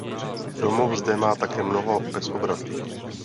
Domov zde má také mnoho bezobratlých.